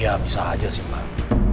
ya bisa aja sih mbak